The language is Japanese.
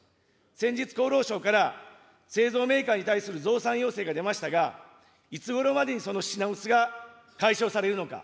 先日、厚労省から製造メーカーに対する増産要請が出ましたが、いつごろまでにその品薄が解消されるのか。